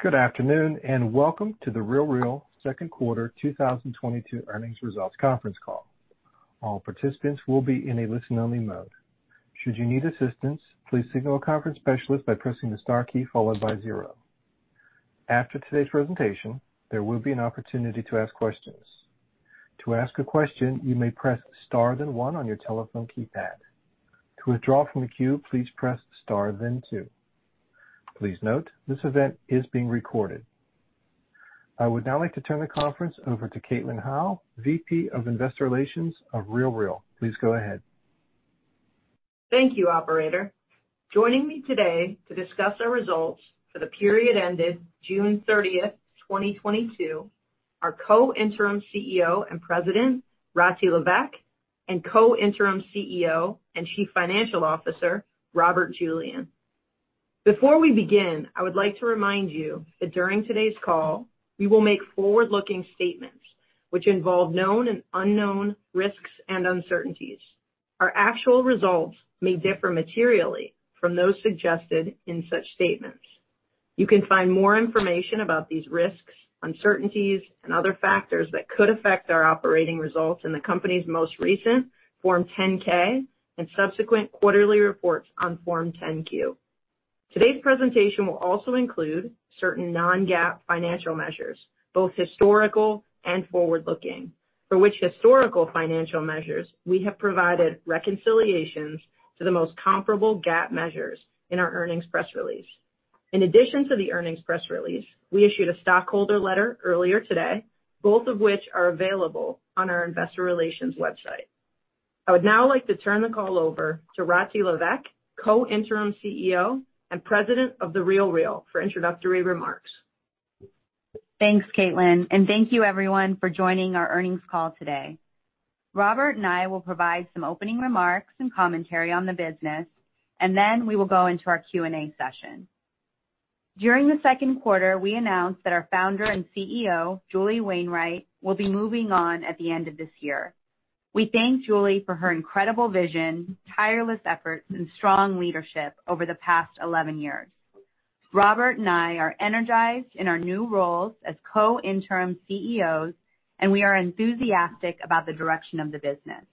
Good afternoon, and welcome to The RealReal second quarter 2022 earnings results conference call. All participants will be in a listen only mode. Should you need assistance, please signal a conference specialist by pressing the star key followed by zero. After today's presentation, there will be an opportunity to ask questions. To ask a question, you may press star then one on your telephone keypad. To withdraw from the queue, please press star then two. Please note, this event is being recorded. I would now like to turn the conference over to Caitlin Howe, VP of Investor Relations of The RealReal. Please go ahead. Thank you, operator. Joining me today to discuss our results for the period ended June 30th, 2022 are Co-Interim CEO and President, Rati Levesque, and Co-Interim CEO and Chief Financial Officer, Robert Julian. Before we begin, I would like to remind you that during today's call, we will make forward-looking statements which involve known and unknown risks and uncertainties. Our actual results may differ materially from those suggested in such statements. You can find more information about these risks, uncertainties, and other factors that could affect our operating results in the company's most recent Form 10-K and subsequent quarterly reports on Form 10-Q. Today's presentation will also include certain non-GAAP financial measures, both historical and forward-looking, for which historical financial measures we have provided reconciliations to the most comparable GAAP measures in our earnings press release. In addition to the earnings press release, we issued a stockholder letter earlier today, both of which are available on our investor relations website. I would now like to turn the call over to Rati Levesque, Co-Interim CEO and President of The RealReal, for introductory remarks. Thanks, Caitlin, and thank you everyone for joining our earnings call today. Robert and I will provide some opening remarks and commentary on the business, and then we will go into our Q&A session. During the second quarter, we announced that our founder and CEO, Julie Wainwright, will be moving on at the end of this year. We thank Julie for her incredible vision, tireless efforts, and strong leadership over the past 11 years. Robert and I are energized in our new roles as co-interim CEOs, and we are enthusiastic about the direction of the business.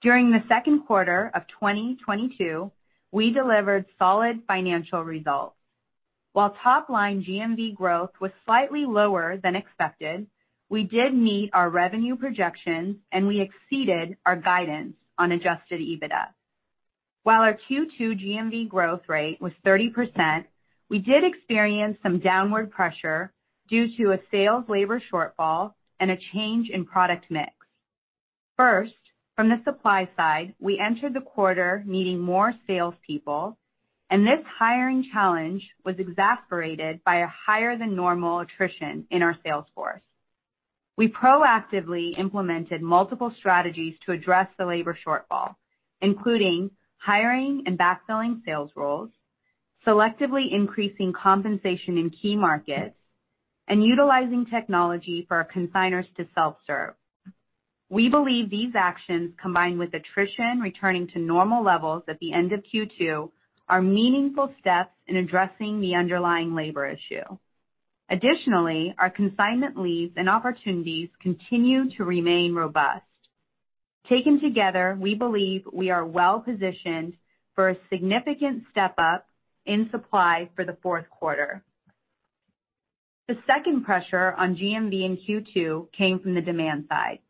During the second quarter of 2022, we delivered solid financial results. While top line GMV growth was slightly lower than expected, we did meet our revenue projections, and we exceeded our guidance on adjusted EBITDA. While our Q2 GMV growth rate was 30%, we did experience some downward pressure due to a sales labor shortfall and a change in product mix. First, from the supply side, we entered the quarter needing more salespeople, and this hiring challenge was exacerbated by a higher than normal attrition in our sales force. We proactively implemented multiple strategies to address the labor shortfall, including hiring and backfilling sales roles, selectively increasing compensation in key markets, and utilizing technology for our consignors to self-serve. We believe these actions, combined with attrition returning to normal levels at the end of Q2, are meaningful steps in addressing the underlying labor issue. Additionally, our consignment leads and opportunities continue to remain robust. Taken together, we believe we are well-positioned for a significant step up in supply for the fourth quarter. The second pressure on GMV in Q2 came from the demand side.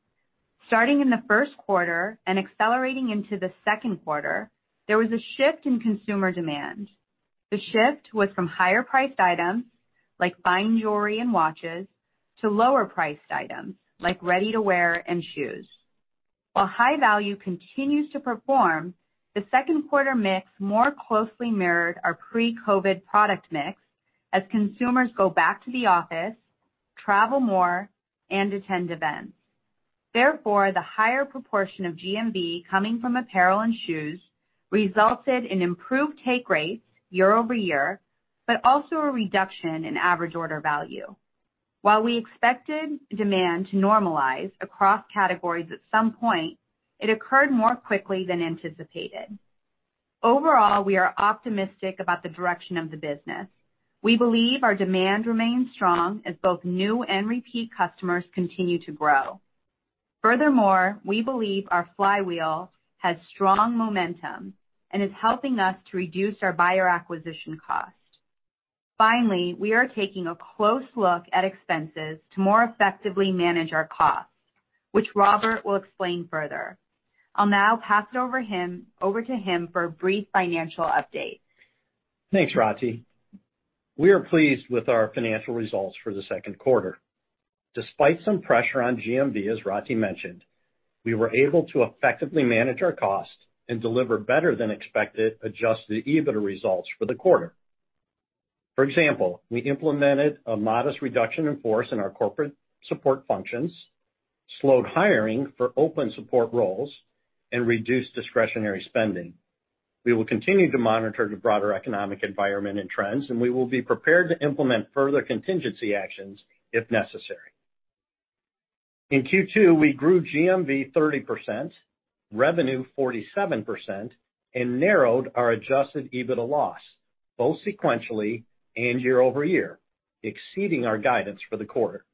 Starting in the first quarter and accelerating into the second quarter, there was a shift in consumer demand. The shift was from higher priced items like fine jewelry and watches, to lower priced items like ready-to-wear and shoes. While high value continues to perform, the second quarter mix more closely mirrored our pre-COVID product mix as consumers go back to the office, travel more and attend events. Therefore, the higher proportion of GMV coming from apparel and shoes resulted in improved take rates year-over-year, but also a reduction in average order value. While we expected demand to normalize across categories at some point, it occurred more quickly than anticipated. Overall, we are optimistic about the direction of the business. We believe our demand remains strong as both new and repeat customers continue to grow. Furthermore, we believe our flywheel has strong momentum and is helping us to reduce our buyer acquisition cost. Finally, we are taking a close look at expenses to more effectively manage our costs, which Robert will explain further. I'll now pass it over to him for a brief financial update. Thanks, Rati. We are pleased with our financial results for the second quarter. Despite some pressure on GMV, as Rati mentioned, we were able to effectively manage our cost and deliver better than expected adjusted EBITDA results for the quarter. For example, we implemented a modest reduction in force in our corporate support functions, slowed hiring for open support roles, and reduced discretionary spending. We will continue to monitor the broader economic environment and trends, and we will be prepared to implement further contingency actions if necessary. In Q2, we grew GMV 30%, revenue 47%, and narrowed our adjusted EBITDA loss, both sequentially and year-over-year, exceeding our guidance for the quarter.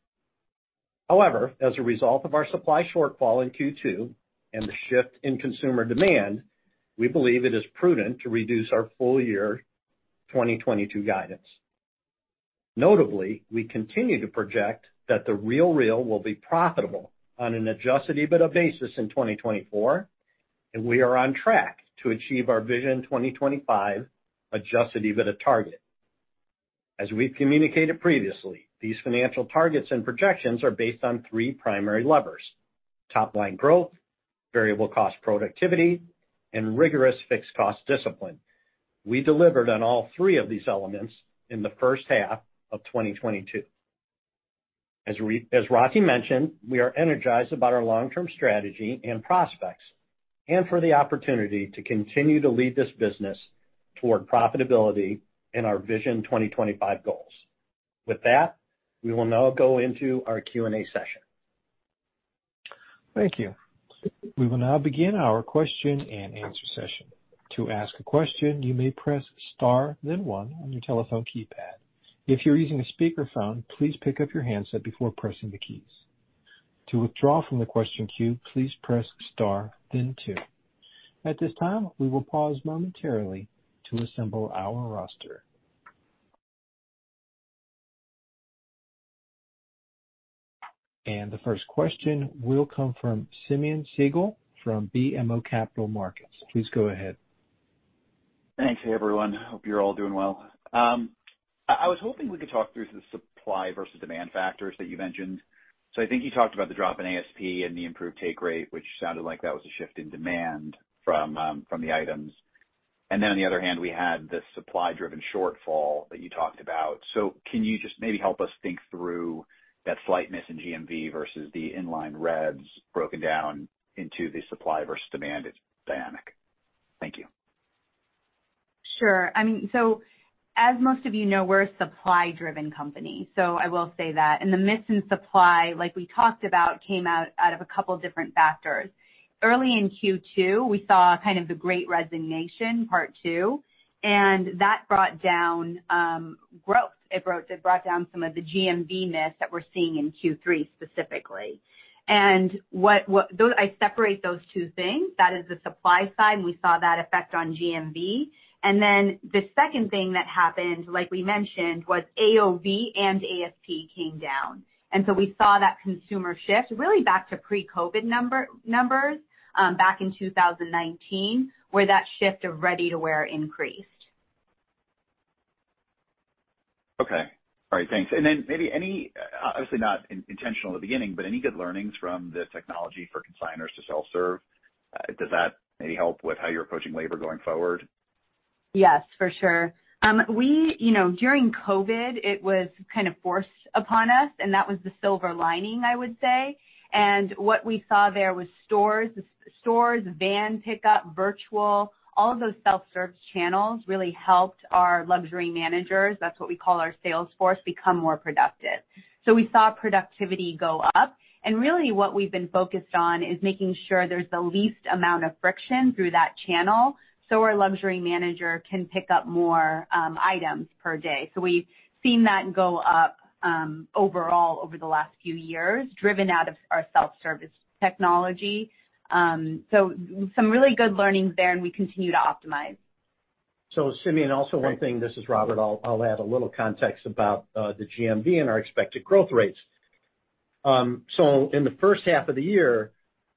However, as a result of our supply shortfall in Q2 and the shift in consumer demand, we believe it is prudent to reduce our full year 2022 guidance. Notably, we continue to project that The RealReal will be profitable on an adjusted EBITDA basis in 2024, and we are on track to achieve our Vision 2025 adjusted EBITDA target. As we've communicated previously, these financial targets and projections are based on three primary levers, top line growth, variable cost productivity, and rigorous fixed cost discipline. We delivered on all three of these elements in the first half of 2022. As Rati mentioned, we are energized about our long-term strategy and prospects and for the opportunity to continue to lead this business toward profitability in our Vision 2025 goals. With that, we will now go into our Q&A session. Thank you. We will now begin our question-and-answer session. To ask a question, you may press star then one on your telephone keypad. If you're using a speakerphone, please pick up your handset before pressing the keys. To withdraw from the question queue, please press star then two. At this time, we will pause momentarily to assemble our roster. The first question will come from Simeon Siegel from BMO Capital Markets. Please go ahead. Thanks. Hey, everyone. Hope you're all doing well. I was hoping we could talk through the supply versus demand factors that you mentioned. I think you talked about the drop in ASP and the improved take rate, which sounded like that was a shift in demand from the items. Then on the other hand, we had the supply driven shortfall that you talked about. Can you just maybe help us think through that slight miss in GMV versus the inline revs broken down into the supply versus demand dynamic? Thank you. Sure. I mean, as most of you know, we're a supply driven company, so I will say that. The miss in supply, like we talked about, came out of a couple different factors. Early in Q2, we saw kind of the Great Resignation part two, and that brought down growth. It brought down some of the GMV miss that we're seeing in Q3 specifically. I separate those two things. That is the supply side, and we saw that effect on GMV. The second thing that happened, like we mentioned, was AOV and ASP came down. We saw that consumer shift really back to pre-COVID numbers back in 2019, where that shift of ready to wear increased. Okay. All right. Thanks. Maybe any, obviously not intentional at the beginning, but any good learnings from the technology for consignors to self-serve? Does that maybe help with how you're approaching labor going forward? Yes, for sure. You know, during COVID, it was kind of forced upon us, and that was the silver lining, I would say. What we saw there was stores, van pickup, virtual, all of those self-serve channels really helped our luxury managers, that's what we call our sales force, become more productive. We saw productivity go up, and really what we've been focused on is making sure there's the least amount of friction through that channel so our luxury manager can pick up more, items per day. We've seen that go up, overall over the last few years, driven out of our self-service technology. Some really good learnings there, and we continue to optimize. Simeon, also one thing, this is Robert, I'll add a little context about the GMV and our expected growth rates. In the first half of the year,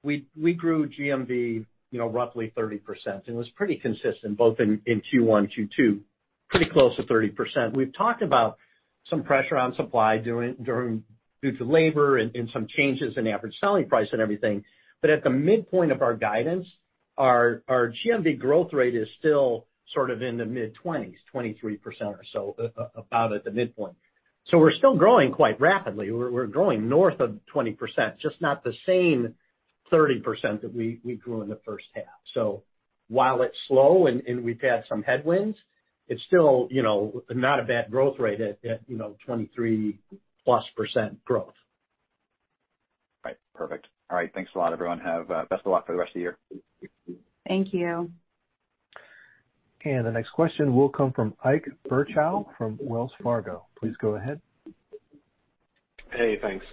we grew GMV, you know, roughly 30%. It was pretty consistent both in Q1, Q2, pretty close to 30%. We've talked about some pressure on supply due to labor and some changes in average selling price and everything. At the midpoint of our guidance, our GMV growth rate is still sort of in the mid-twenties, 23% or so, about at the midpoint. We're still growing quite rapidly. We're growing north of 20%, just not the same 30% that we grew in the first half. While it's slow and we've had some headwinds, it's still, you know, not a bad growth rate at, you know, 23%+ growth. Right. Perfect. All right. Thanks a lot, everyone. Have best of luck for the rest of the year. Thank you. The next question will come from Ike Boruchow from Wells Fargo. Please go ahead. Hey, thanks.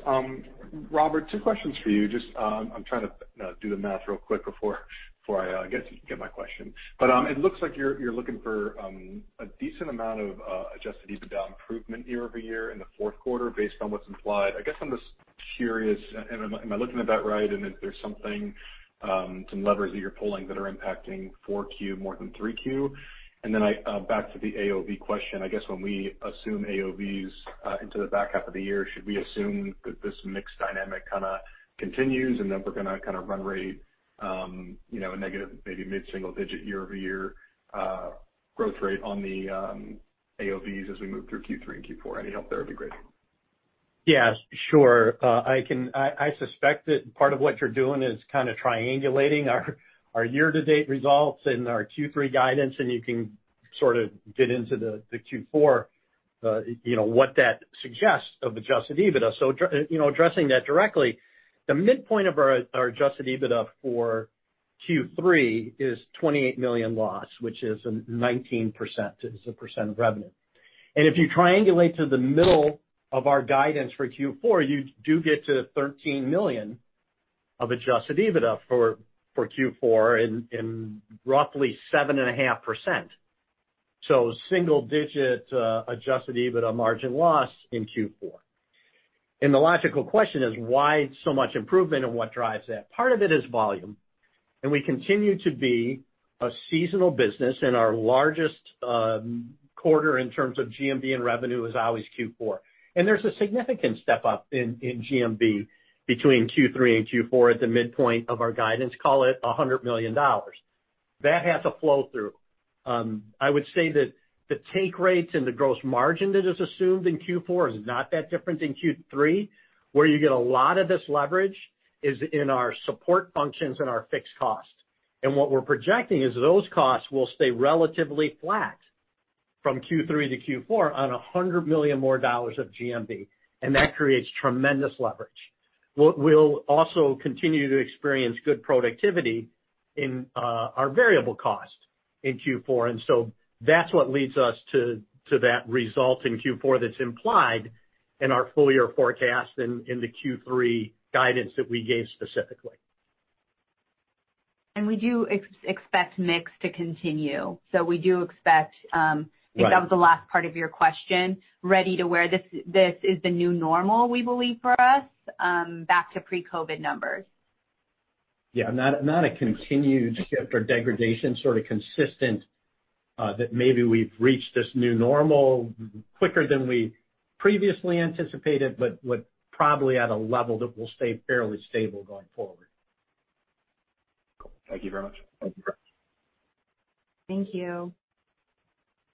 Robert, two questions for you. Just, I'm trying to do the math real quick before I get to my question. It looks like you're looking for a decent amount of adjusted EBITDA improvement year-over-year in the fourth quarter based on what's implied. I guess I'm just curious, am I looking at that right? If there's something, some levers that you're pulling that are impacting 4Q more than 3Q? Then I back to the AOV question. I guess when we assume AOVs into the back half of the year, should we assume that this mix dynamic kinda continues, and then we're gonna kinda run rate, you know, a negative maybe mid-single digit year-over-year growth rate on the AOVs as we move through Q3 and Q4? Any help there would be great. Yeah, sure. I suspect that part of what you're doing is kind of triangulating our year to date results and our Q3 guidance, and you can sort of get into the Q4. You know what that suggests of adjusted EBITDA. Addressing that directly, the midpoint of our adjusted EBITDA for Q3 is $28 million loss, which is a 19% as a percent of revenue. If you triangulate to the middle of our guidance for Q4, you do get to $13 million of adjusted EBITDA for Q4 in roughly 7.5%. Single-digit adjusted EBITDA margin loss in Q4. The logical question is, why so much improvement and what drives that? Part of it is volume, and we continue to be a seasonal business, and our largest quarter in terms of GMV and revenue is always Q4. There's a significant step up in GMV between Q3 and Q4 at the midpoint of our guidance, call it $100 million. That has a flow through. I would say that the take rates and the gross margin that is assumed in Q4 is not that different than Q3. Where you get a lot of this leverage is in our support functions and our fixed costs. What we're projecting is those costs will stay relatively flat from Q3 to Q4 on $100 million more of GMV, and that creates tremendous leverage. We'll also continue to experience good productivity in our variable costs in Q4, and so that's what leads us to that result in Q4 that's implied in our full year forecast in the Q3 guidance that we gave specifically. We do expect mix to continue. Right. If that was the last part of your question, ready-to-wear, this is the new normal we believe for us, back to pre-COVID numbers. Yeah. Not a continued shift or degradation, sort of consistent, that maybe we've reached this new normal quicker than we previously anticipated, but probably at a level that will stay fairly stable going forward. Cool. Thank you very much. Thank you. Thank you.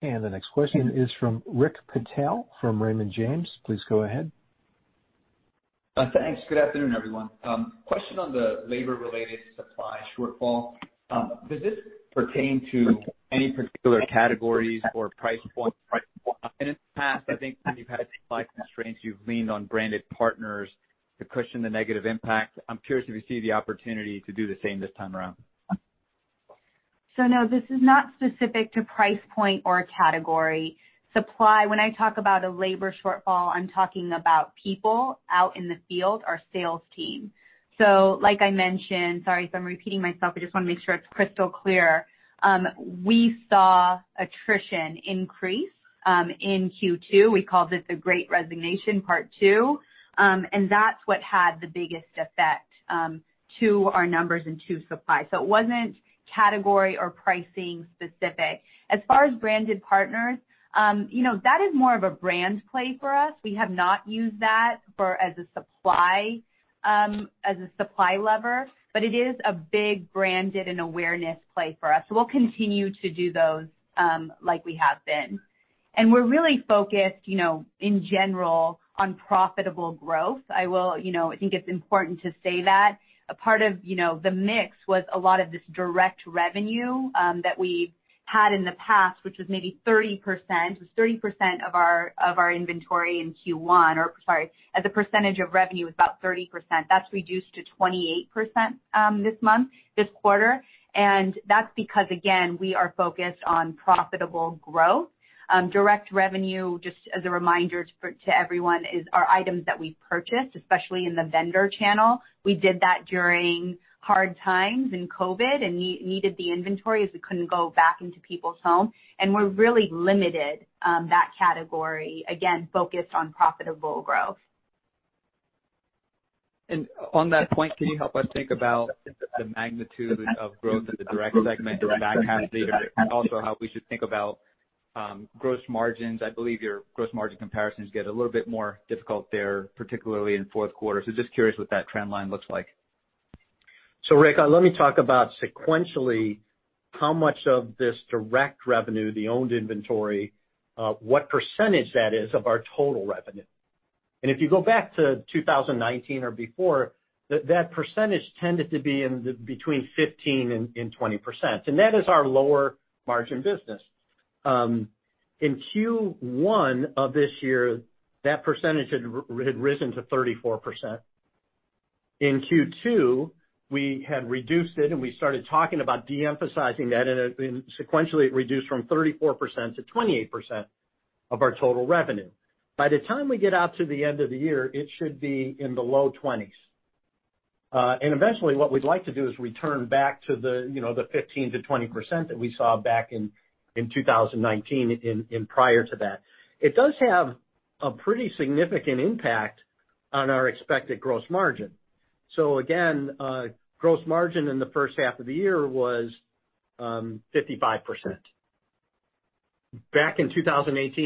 The next question is from Rick Patel from Raymond James. Please go ahead. Thanks. Good afternoon, everyone. Question on the labor-related supply shortfall. Does this pertain to any particular categories or price points? In the past, I think when you've had supply constraints, you've leaned on branded partners to cushion the negative impact. I'm curious if you see the opportunity to do the same this time around. No, this is not specific to price point or category. Supply, when I talk about a labor shortfall, I'm talking about people out in the field, our sales team. Like I mentioned, sorry if I'm repeating myself, I just wanna make sure it's crystal clear. We saw attrition increase in Q2. We called this the Great Resignation Part Two. And that's what had the biggest effect to our numbers and to supply. It wasn't category or pricing specific. As far as branded partners, you know, that is more of a brand play for us. We have not used that for as a supply lever, but it is a big branded and awareness play for us. We'll continue to do those like we have been. We're really focused, you know, in general on profitable growth. You know, I think it's important to say that. A part of, you know, the mix was a lot of this direct revenue that we had in the past, which was maybe 30%. It was 30% of our inventory in Q1, or sorry, as a percentage of revenue, it was about 30%. That's reduced to 28% this quarter. That's because again, we are focused on profitable growth. Direct revenue, just as a reminder to everyone, is our items that we purchased, especially in the vendor channel. We did that during hard times in COVID, and needed the inventory as we couldn't go back into people's homes. We're really limiting that category, again focused on profitable growth. On that point, can you help us think about the magnitude of growth in the direct segment during back half of the year, but also how we should think about gross margins? I believe your gross margin comparisons get a little bit more difficult there, particularly in fourth quarter. Just curious what that trend line looks like. Rick, let me talk about sequentially how much of this direct revenue, the owned inventory, what percentage that is of our total revenue. If you go back to 2019 or before, that percentage tended to be between 15% and 20%, and that is our lower margin business. In Q1 of this year, that percentage had risen to 34%. In Q2, we had reduced it, and we started talking about de-emphasizing that, and sequentially, it reduced from 34%-28% of our total revenue. By the time we get out to the end of the year, it should be in the low 20s%. Eventually, what we'd like to do is return back to the, you know, the 15%-20% that we saw back in 2019 and prior to that. It does have a pretty significant impact on our expected gross margin. Again, gross margin in the first half of the year was 55%. Back in 2018,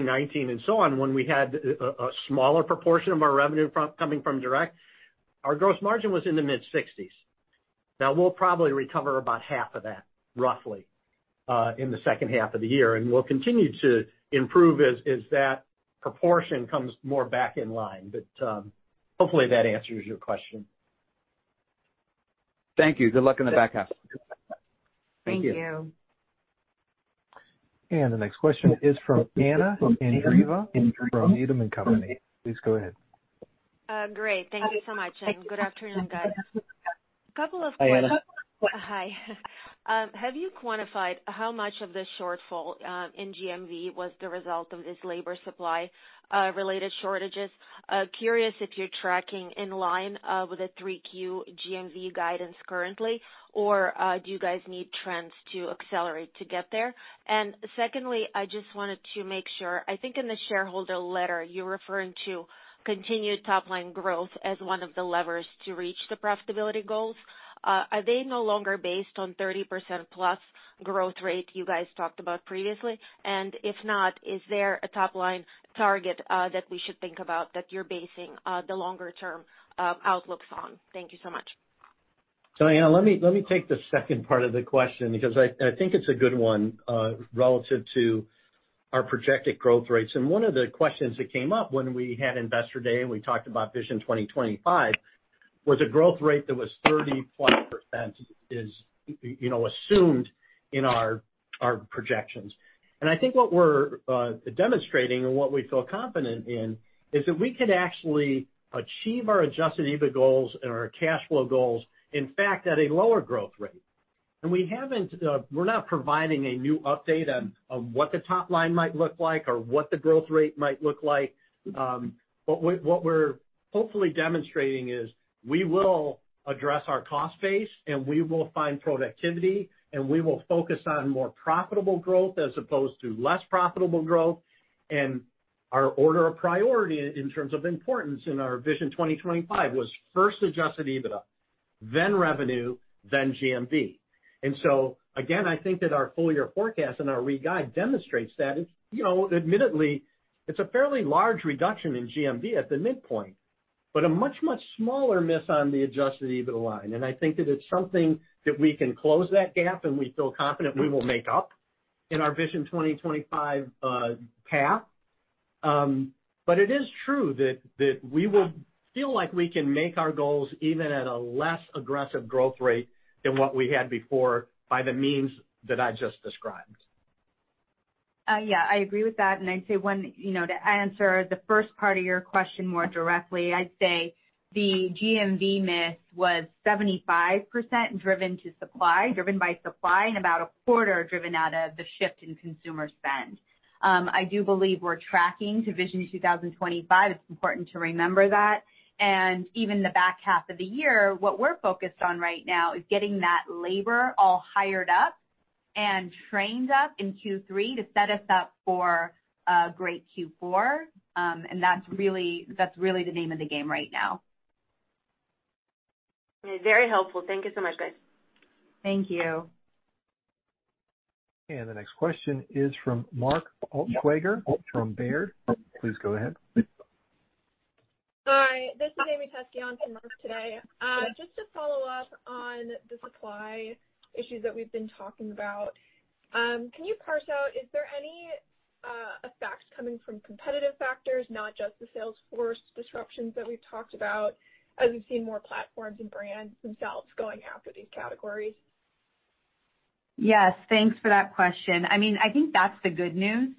2019 and so on, when we had a smaller proportion of our revenue coming from direct, our gross margin was in the mid-60s. Now, we'll probably recover about half of that roughly in the second half of the year, and we'll continue to improve as that proportion comes more back in line. Hopefully that answers your question. Thank you. Good luck in the back half. Thank you. Thank you. The next question is from Anna Andreeva from Needham & Company. Please go ahead. Great. Thank you so much, and good afternoon, guys. Hi, Anna. Hi. Have you quantified how much of the shortfall in GMV was the result of this labor supply related shortages? Curious if you're tracking in line with the 3Q GMV guidance currently or do you guys need trends to accelerate to get there? Secondly, I just wanted to make sure, I think in the shareholder letter, you're referring to continued top line growth as one of the levers to reach the profitability goals. Are they no longer based on 30%+ growth rate you guys talked about previously? If not, is there a top line target that we should think about that you're basing the longer term outlooks on? Thank you so much. Anna, let me take the second part of the question because I think it's a good one, relative to our projected growth rates. One of the questions that came up when we had Investor Day, and we talked about Vision 2025, was a growth rate that was 30%+ you know assumed in our projections. I think what we're demonstrating and what we feel confident in is that we can actually achieve our adjusted EBITDA goals and our cash flow goals, in fact, at a lower growth rate. We're not providing a new update on what the top line might look like or what the growth rate might look like. What we're hopefully demonstrating is we will address our cost base, and we will find productivity, and we will focus on more profitable growth as opposed to less profitable growth. Our order of priority in terms of importance in our Vision 2025 was first adjusted EBITDA, then revenue, then GMV. So again, I think that our full year forecast and our re-guide demonstrates that. It's, you know, admittedly, it's a fairly large reduction in GMV at the midpoint, but a much, much smaller miss on the adjusted EBITDA line. I think that it's something that we can close that gap, and we feel confident we will make up in our Vision 2025 path. It is true that we will feel like we can make our goals even at a less aggressive growth rate than what we had before by the means that I just described. Yeah, I agree with that. I'd say one, you know, to answer the first part of your question more directly, I'd say the GMV miss was 75% driven by supply, and about a quarter driven out of the shift in consumer spend. I do believe we're tracking to Vision 2025. It's important to remember that. Even the back half of the year, what we're focused on right now is getting that labor all hired up and trained up in Q3 to set us up for a great Q4. That's really the name of the game right now. Very helpful. Thank you so much, guys. Thank you. The next question is from Mark Altschwager from Baird. Please go ahead. Hi, this is Amy Teske for Mark today. Just to follow up on the supply issues that we've been talking about, can you parse out, is there any effects coming from competitive factors, not just the sales force disruptions that we've talked about as we've seen more platforms and brands themselves going after these categories? Yes. Thanks for that question. I mean, I think that's the good news.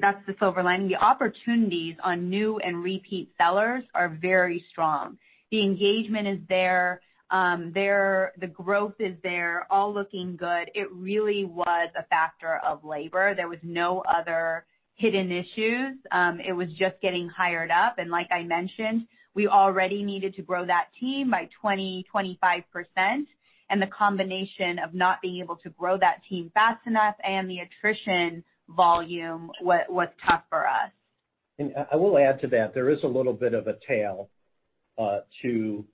That's the silver lining. The opportunities on new and repeat sellers are very strong. The engagement is there. The growth is there, all looking good. It really was a factor of labor. There was no other hidden issues. It was just getting hired up. Like I mentioned, we already needed to grow that team by 20%-25%. The combination of not being able to grow that team fast enough and the attrition volume was tough for us. I will add to that. There is a little bit of a tail to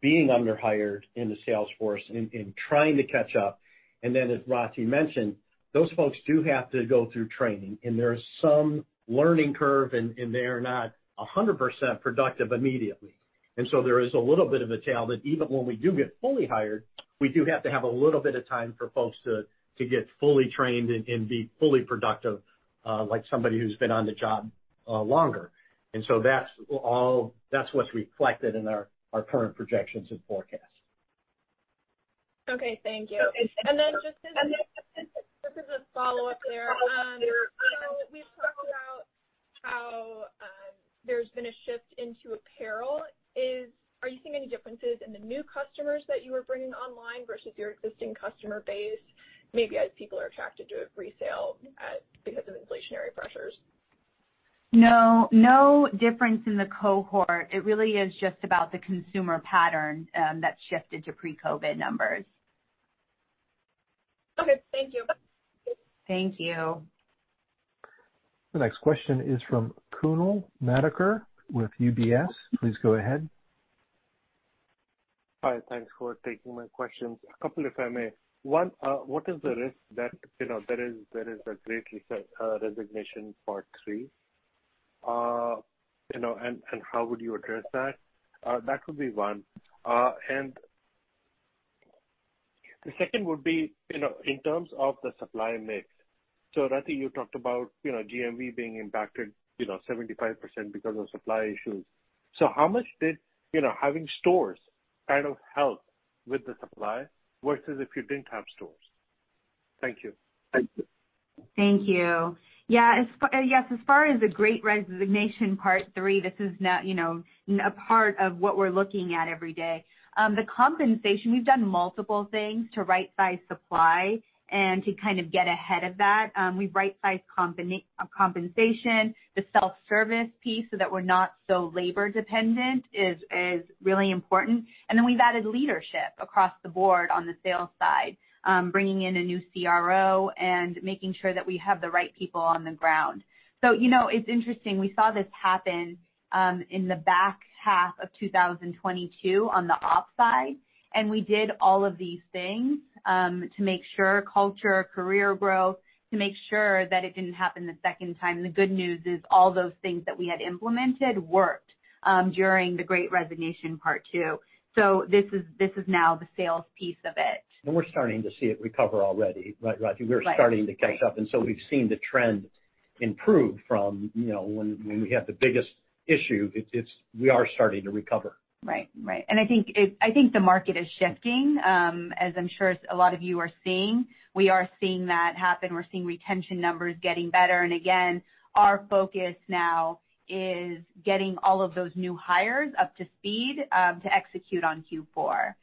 being under-hired in the sales force and trying to catch up. As Rati mentioned, those folks do have to go through training, and there's some learning curve and they are not 100% productive immediately. There is a little bit of a tail that even when we do get fully hired, we do have to have a little bit of time for folks to get fully trained and be fully productive, like somebody who's been on the job longer. That's all, that's what's reflected in our current projections and forecasts. Okay, thank you. Then just as a follow-up there. You know, we've talked about how there's been a shift into apparel. Are you seeing any differences in the new customers that you are bringing online versus your existing customer base, maybe as people are attracted to resale because of inflationary pressures? No. No difference in the cohort. It really is just about the consumer pattern, that shifted to pre-COVID numbers. Okay, thank you. Thank you. The next question is from Kunal Madhukar with UBS. Please go ahead. Hi. Thanks for taking my questions. A couple, if I may. One, what is the risk that, you know, there is a Great Resignation part three? You know, how would you address that? That would be one. And- The second would be, you know, in terms of the supply mix. Rati, you talked about, you know, GMV being impacted, you know, 75% because of supply issues. How much did, you know, having stores kind of help with the supply versus if you didn't have stores? Thank you. Thank you. Yeah, yes, as far as the Great Resignation part three, this is now, you know, a part of what we're looking at every day. The compensation, we've done multiple things to rightsize supply and to kind of get ahead of that. We've rightsized compensation, the self-service piece so that we're not so labor dependent is really important. We've added leadership across the board on the sales side, bringing in a new CRO and making sure that we have the right people on the ground. You know, it's interesting. We saw this happen in the back half of 2022 on the ops side, and we did all of these things to make sure culture, career growth, to make sure that it didn't happen the second time. The good news is all those things that we had implemented worked during the Great Resignation part two. This is now the sales piece of it. We're starting to see it recover already, right, Rati? Right. We're starting to catch up, and so we've seen the trend improve from, you know, when we had the biggest issue. It's we are starting to recover. Right. I think the market is shifting, as I'm sure a lot of you are seeing. We are seeing that happen. We're seeing retention numbers getting better. Again, our focus now is getting all of those new hires up to speed to execute on Q4.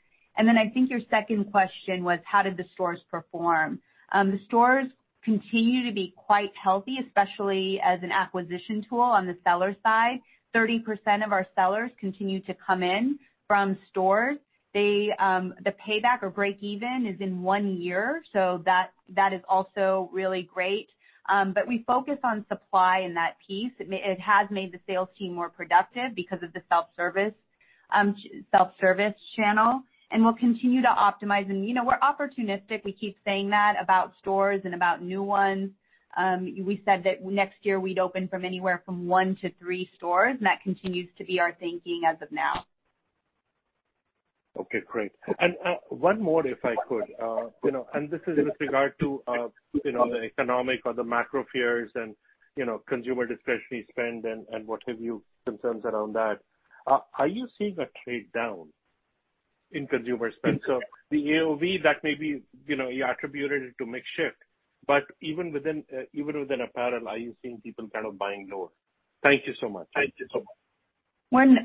Then I think your second question was, how did the stores perform? The stores continue to be quite healthy, especially as an acquisition tool on the seller side. 30% of our sellers continue to come in from stores. The payback or break even is in one year, so that is also really great. But we focus on supply in that piece. It has made the sales team more productive because of the self-service channel, and we'll continue to optimize. You know, we're opportunistic. We keep saying that about stores and about new ones. We said that next year we'd open anywhere from one to three stores, and that continues to be our thinking as of now. Okay, great. One more, if I could. You know, this is with regard to, you know, the economic or the macro fears and, you know, consumer discretionary spend and what have you, concerns around that. Are you seeing a trade down in consumer spend? The AOV, that may be, you know, you attributed it to mix shift, but even within apparel, are you seeing people kind of buying more? Thank you so much.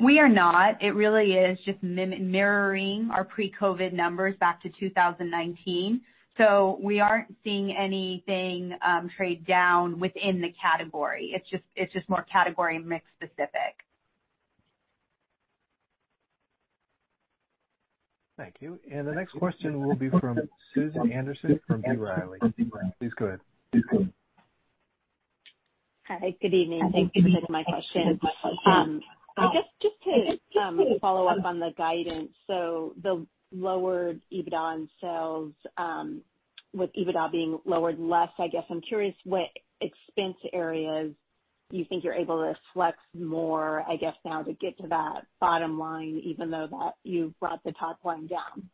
We are not. It really is just mirroring our pre-COVID numbers back to 2019. We aren't seeing anything, trade down within the category. It's just more category mix specific. Thank you. The next question will be from Susan Anderson from B. Riley. Please go ahead. Hi. Good evening. Thank you for taking my question. I guess just to follow up on the guidance. The lower EBITDA and sales, with EBITDA being lowered less, I guess I'm curious what expense areas you think you're able to flex more, I guess, now to get to that bottom line, even though that you've brought the top line down.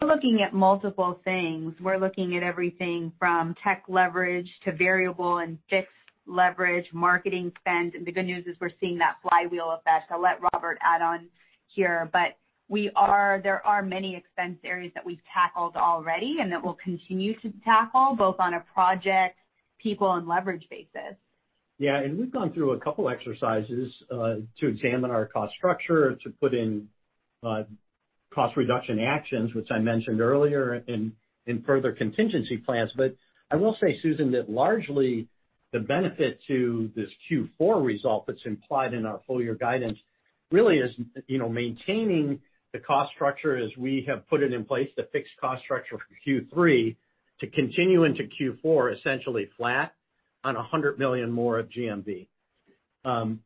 We're looking at multiple things. We're looking at everything from tech leverage to variable and fixed leverage, marketing spend. The good news is we're seeing that flywheel effect. I'll let Robert add on here, but there are many expense areas that we've tackled already and that we'll continue to tackle both on a project, people, and leverage basis. Yeah, we've gone through a couple exercises to examine our cost structure to put in cost reduction actions, which I mentioned earlier in further contingency plans. I will say, Susan, that largely the benefit to this Q4 result that's implied in our full year guidance really is, you know, maintaining the cost structure as we have put it in place, the fixed cost structure for Q3, to continue into Q4 essentially flat on $100 million more of GMV.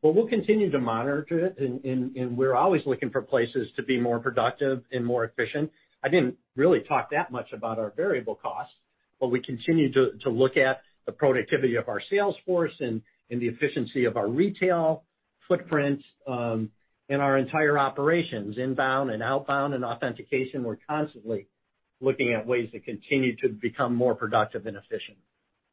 We'll continue to monitor it and we're always looking for places to be more productive and more efficient. I didn't really talk that much about our variable costs, but we continue to look at the productivity of our sales force and the efficiency of our retail footprint and our entire operations, inbound and outbound and authentication. We're constantly looking at ways to continue to become more productive and efficient.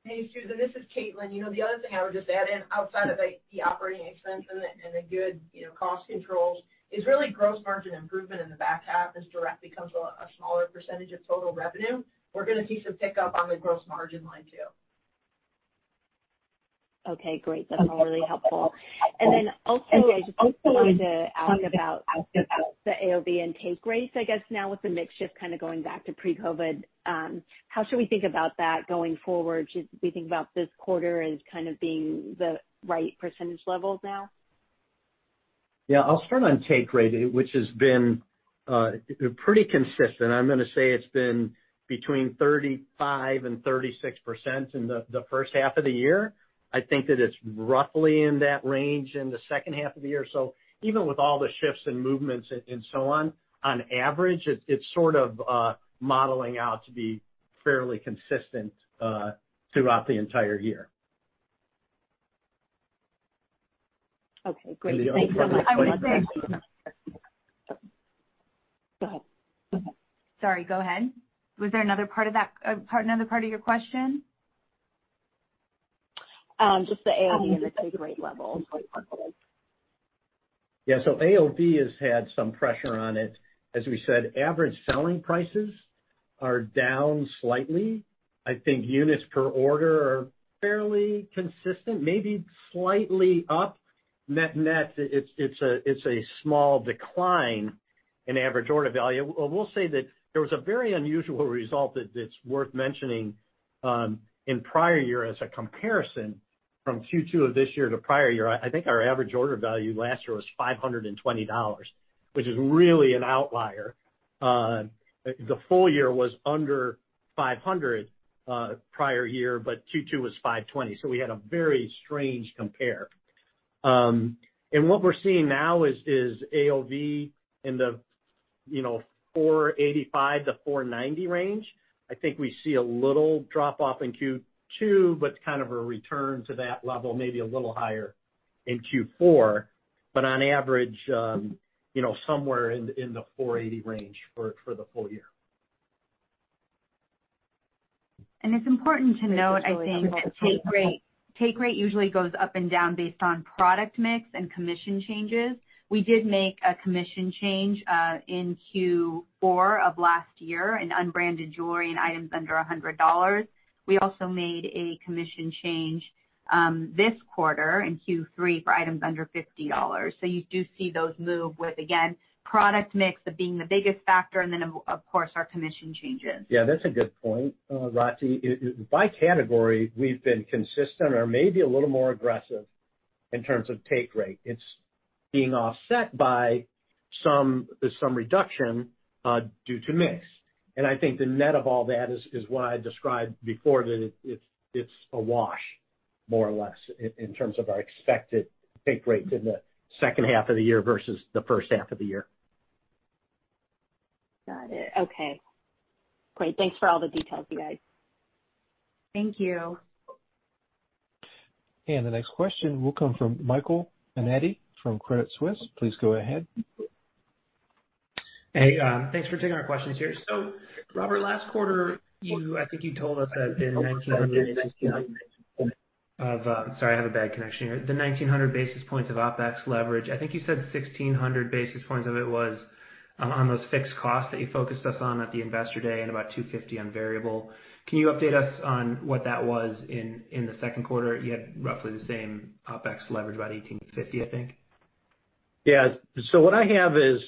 Hey, Susan, this is Caitlin. You know, the other thing I would just add in outside of, like, the operating expense and the good, you know, cost controls is really gross margin improvement in the back half as Direct becomes a smaller percentage of total revenue. We're gonna see some pickup on the gross margin line too. Okay, great. That's all really helpful. I just wanted to ask about the AOV and take rate, I guess now with the mix shift kind of going back to pre-COVID. How should we think about that going forward? Should we think about this quarter as kind of being the right percentage levels now? Yeah. I'll start on take rate, which has been pretty consistent. I'm gonna say it's been between 35% and 36% in the first half of the year. I think that it's roughly in that range in the second half of the year. Even with all the shifts and movements and so on average, it's sort of modeling out to be fairly consistent throughout the entire year. Okay, great. Thanks so much. I would say. Go ahead. Sorry, go ahead. Was there another part of that, another part of your question? Just the AOV and the take rate levels. Okay. Yeah. AOV has had some pressure on it. As we said, average selling prices are down slightly. I think units per order are fairly consistent, maybe slightly up. Net, it's a small decline in average order value. I will say that there was a very unusual result that's worth mentioning in prior year as a comparison from Q2 of this year to prior year. I think our average order value last year was $520, which is really an outlier. The full year was under $500 prior year, but Q2 was $520, so we had a very strange compare. And what we're seeing now is AOV in the you know $485-$490 range. I think we see a little drop off in Q2, but kind of a return to that level, maybe a little higher in Q4. On average, you know, somewhere in the 480 range for the full year. It's important to note, I think, that take rate usually goes up and down based on product mix and commission changes. We did make a commission change in Q4 of last year in unbranded jewelry and items under $100. We also made a commission change this quarter in Q3 for items under $50. You do see those move with, again, product mix being the biggest factor and then, of course, our commission changes. Yeah, that's a good point, Rati. It's by category, we've been consistent or maybe a little more aggressive in terms of take rate. It's being offset by some reduction due to mix. I think the net of all that is what I described before, that it's a wash more or less in terms of our expected take rate in the second half of the year versus the first half of the year. Got it. Okay. Great. Thanks for all the details, you guys. Thank you. The next question will come from Michael Binetti from Credit Suisse. Please go ahead. Hey. Thanks for taking our questions here. Robert, last quarter, you I think you told us that the 1,900 basis points of OpEx leverage, I think you said 1,600 basis points of it was on those fixed costs that you focused us on at the Investor Day and about 250 on variable. Can you update us on what that was in the second quarter? You had roughly the same OpEx leverage, about 1,850, I think. What I have is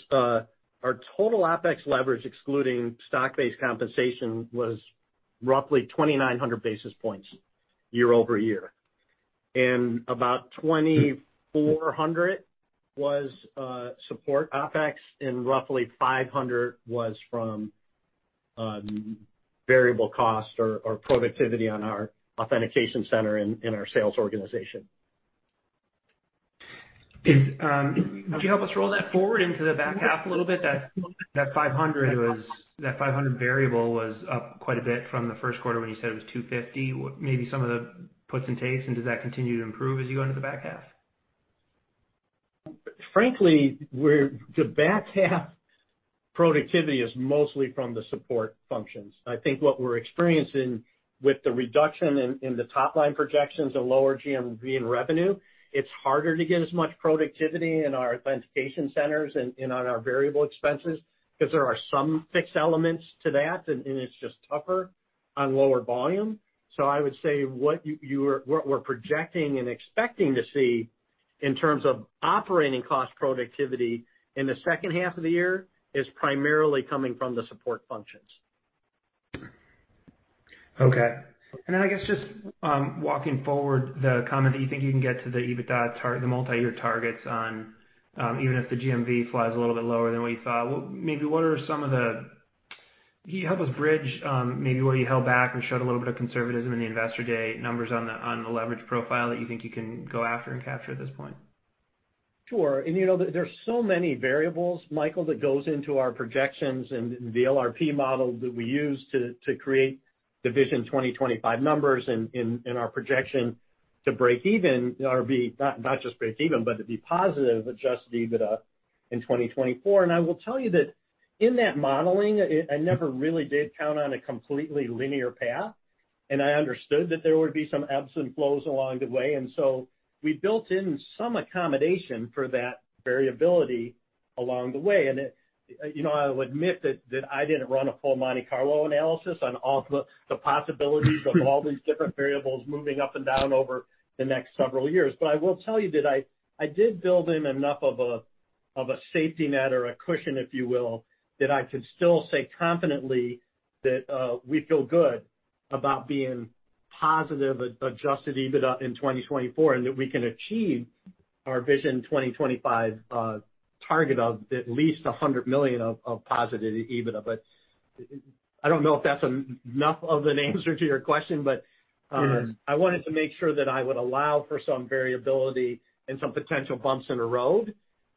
our total OpEx leverage, excluding stock-based compensation, was roughly 2,900 basis points year-over-year. About 2,400 was support OpEx, and roughly 500 was from variable cost or productivity on our authentication center in our sales organization. Could you help us roll that forward into the back half a little bit? That 500 variable was up quite a bit from the first quarter when you said it was 250. What may be some of the puts and takes, and does that continue to improve as you go into the back half? Frankly, the back half productivity is mostly from the support functions. I think what we're experiencing with the reduction in the top line projections and lower GMV and revenue, it's harder to get as much productivity in our authentication centers and on our variable expenses because there are some fixed elements to that, and it's just tougher on lower volume. I would say what we're projecting and expecting to see in terms of operating cost productivity in the second half of the year is primarily coming from the support functions. Okay. I guess just walking forward the comment that you think you can get to the EBITDA the multi-year targets on even if the GMV flies a little bit lower than what you thought. Maybe what are some of the. Can you help us bridge maybe where you held back or showed a little bit of conservatism in the Investor Day numbers on the leverage profile that you think you can go after and capture at this point? Sure. You know, there's so many variables, Michael, that goes into our projections and the LRP model that we use to create the Vision 2025 numbers and our projection to break even or be not just break even, but to be positive adjusted EBITDA in 2024. I will tell you that in that modeling, I never really did count on a completely linear path, and I understood that there would be some ebbs and flows along the way. We built in some accommodation for that variability along the way. It, you know, I'll admit that I didn't run a full Monte Carlo analysis on all the possibilities of all these different variables moving up and down over the next several years. I will tell you that I did build in enough of a safety net or a cushion, if you will, that I could still say confidently that we feel good about being positive adjusted EBITDA in 2024 and that we can achieve our Vision 2025 target of at least $100 million of positive EBITDA. I don't know if that's enough of an answer to your question, but. It is. I wanted to make sure that I would allow for some variability and some potential bumps in the road.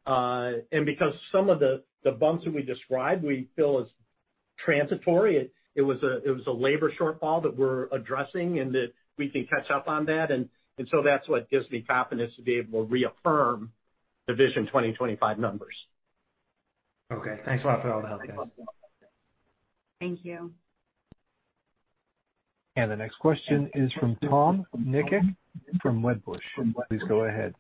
Because some of the bumps that we described, we feel is transitory. It was a labor shortfall that we're addressing and that we can catch up on that. That's what gives me confidence to be able to reaffirm the Vision 2025 numbers. Okay. Thanks a lot for all the help, guys. Thank you. The next question is from Tom Nikic from Wedbush. Please go ahead.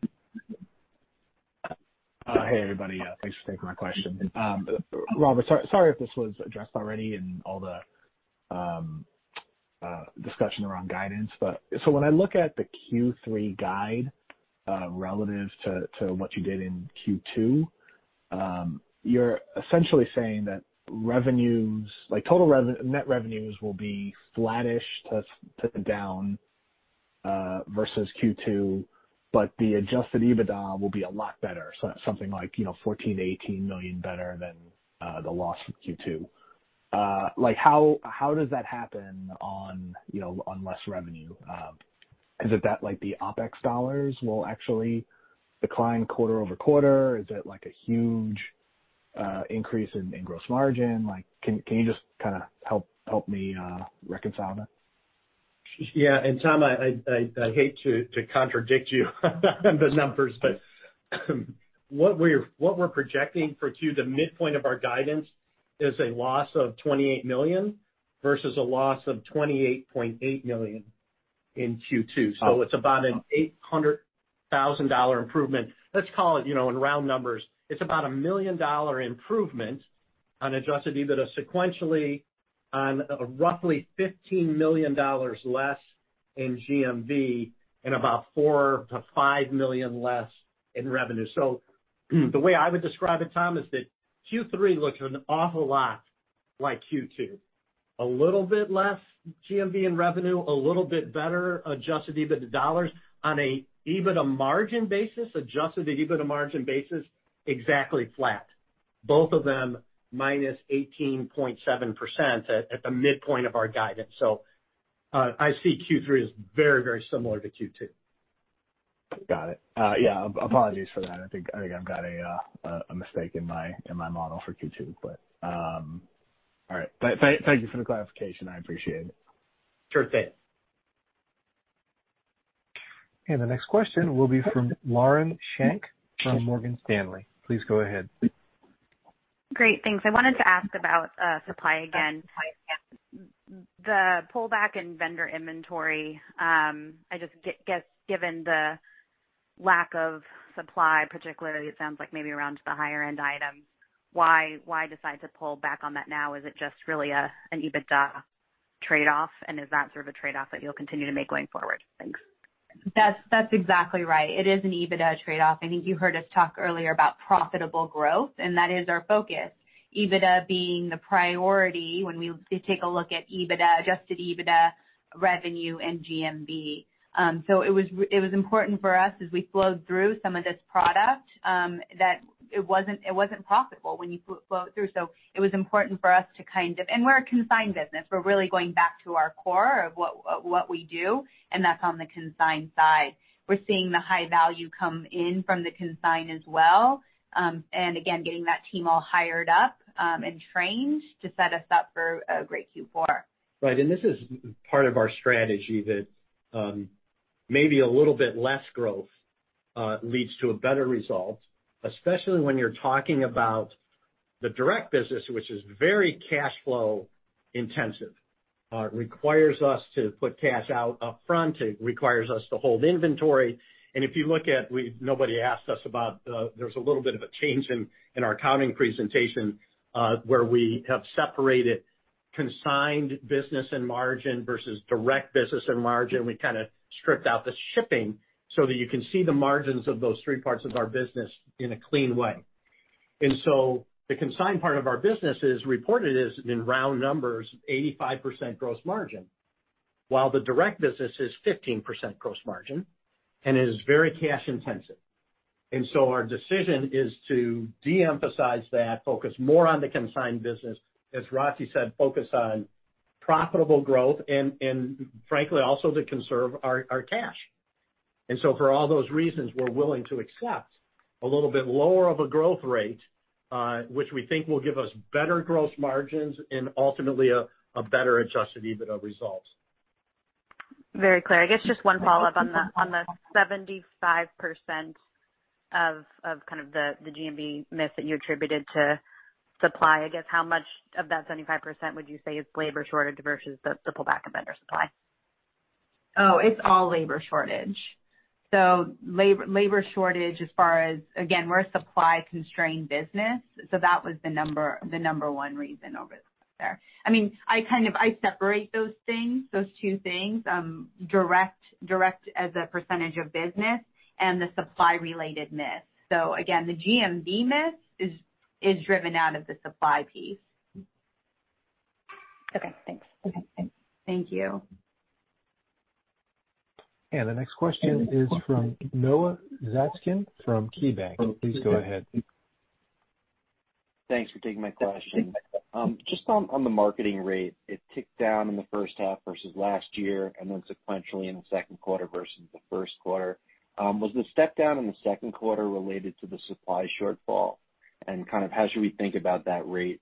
Hey everybody. Thanks for taking my question. Robert, sorry if this was addressed already in all the discussion around guidance, but so when I look at the Q3 guide, relative to what you did in Q2, you're essentially saying that net revenues will be flattish to down versus Q2, but the adjusted EBITDA will be a lot better, so something like $14 million-$18 million better than the loss of Q2. Like how does that happen on less revenue? Is it that like the OpEx dollars will actually decline quarter-over-quarter? Is it like a huge increase in gross margin? Like, can you just kinda help me reconcile that? Yeah. Tom, I hate to contradict you on the numbers, but what we're projecting for Q, the midpoint of our guidance is a loss of $28 million versus a loss of $28.8 million in Q2. Oh. It's about a $800,000 improvement. Let's call it, you know, in round numbers, it's about a $1 million improvement on adjusted EBITDA sequentially on roughly $15 million less in GMV and about $4 million-$5 million less in revenue. The way I would describe it, Tom, is that Q3 looks an awful lot like Q2. A little bit less GMV in revenue, a little bit better adjusted EBITDA dollars. On an EBITDA margin basis, adjusted EBITDA margin basis, exactly flat. Both of them -18.7% at the midpoint of our guidance. I see Q3 as very, very similar to Q2. Got it. Yeah, apologies for that. I think I've got a mistake in my model for Q2, but all right. Thank you for the clarification. I appreciate it. Sure thing. The next question will be from Lauren Schenk from Morgan Stanley. Please go ahead. Great. Thanks. I wanted to ask about supply again. The pullback in vendor inventory, I just don't get given the lack of supply, particularly it sounds like maybe around the higher end items, why decide to pull back on that now? Is it just really an EBITDA trade-off? Is that sort of a trade-off that you'll continue to make going forward? Thanks. That's exactly right. It is an EBITDA trade-off. I think you heard us talk earlier about profitable growth, and that is our focus. EBITDA being the priority when we take a look at EBITDA, adjusted EBITDA revenue and GMV. So it was important for us as we flowed through some of this product, that it wasn't profitable when you flow it through. So it was important for us to kind of. We're a consign business. We're really going back to our core of what we do, and that's on the consign side. We're seeing the high value come in from the consign as well, and again, getting that team all hired up, and trained to set us up for a great Q4. Right. This is part of our strategy that, maybe a little bit less growth, leads to a better result, especially when you're talking about the direct business, which is very cash flow intensive. It requires us to put cash out up front. It requires us to hold inventory. If you look at, nobody asked us about, there's a little bit of a change in our accounting presentation, where we have separated consigned business and margin versus direct business and margin. We kinda stripped out the shipping so that you can see the margins of those three parts of our business in a clean way. The consigned part of our business is reported as, in round numbers, 85% gross margin, while the direct business is 15% gross margin and is very cash intensive. Our decision is to de-emphasize that, focus more on the consigned business, as Rati said, focus on profitable growth and frankly, also to conserve our cash. For all those reasons, we're willing to accept a little bit lower of a growth rate, which we think will give us better gross margins and ultimately a better adjusted EBITDA results. Very clear. I guess just one follow-up on the 75% of kind of the GMV miss that you attributed to supply. I guess how much of that 75% would you say is labor shortage versus the pullback of vendor supply? Oh, it's all labor shortage. Labor shortage as far as, again, we're a supply constrained business, so that was the number one reason over there. I mean, I kind of separate those things, those two things, direct as a percentage of business and the supply related miss. Again, the GMV miss is driven out of the supply piece. Okay, thanks. Okay, thanks. Thank you. The next question is from Noah Zatzkin from KeyBanc Capital Markets. Please go ahead. Thanks for taking my question. Just on the marketing rate, it ticked down in the first half versus last year and then sequentially in the second quarter versus the first quarter. Was the step down in the second quarter related to the supply shortfall? Kind of how should we think about that rate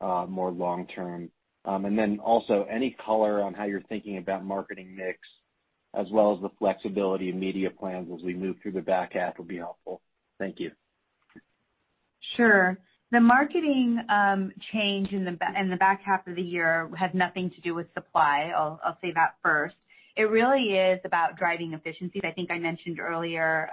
more long-term? Then also any color on how you're thinking about marketing mix? As well as the flexibility of media plans as we move through the back half will be helpful. Thank you. Sure. The marketing change in the back half of the year had nothing to do with supply. I'll say that first. It really is about driving efficiencies. I think I mentioned earlier,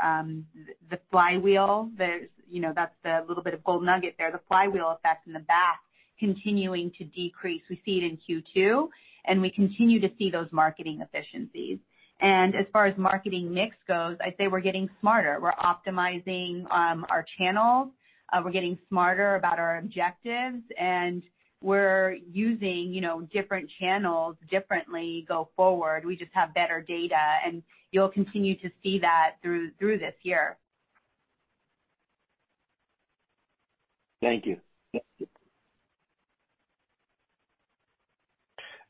the flywheel. There's, you know, that's the little bit of gold nugget there, the flywheel effect in the back continuing to decrease. We see it in Q2, and we continue to see those marketing efficiencies. As far as marketing mix goes, I'd say we're getting smarter. We're optimizing our channels, we're getting smarter about our objectives, and we're using, you know, different channels differently go forward. We just have better data, and you'll continue to see that through this year. Thank you.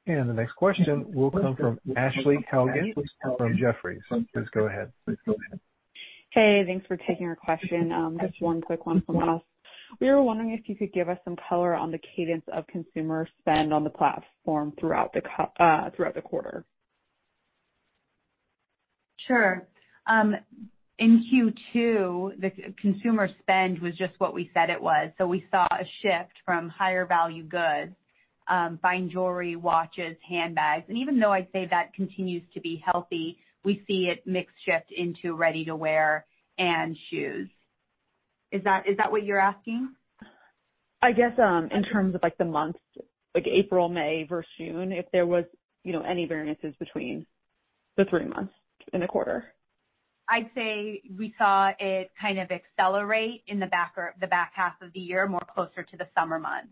The next question will come from Ashley Helgans from Jefferies. Please go ahead. Hey, thanks for taking our question. Just one quick one from us. We were wondering if you could give us some color on the cadence of consumer spend on the platform throughout the quarter. Sure. In Q2, the consumer spend was just what we said it was. We saw a shift from higher value goods, fine jewelry, watches, handbags. Even though I'd say that continues to be healthy, we see it mix shift into ready-to-wear and shoes. Is that what you're asking? I guess, in terms of like the months, like April, May versus June, if there was, you know, any variances between the three months in a quarter? I'd say we saw it kind of accelerate in the back half of the year, more closer to the summer months.